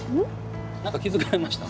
何か気付かれました？